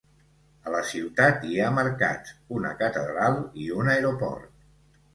A la ciutat hi ha mercats, una catedral i un aeroport.